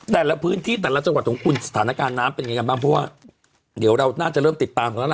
แต่ละพื้นที่แต่ละจังหวัดของคุณสถานการณ์น้ำเป็นยังไงกันบ้างเพราะว่าเดี๋ยวเราน่าจะเริ่มติดตามกันแล้วล่ะ